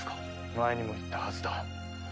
前にも言ったはずだ。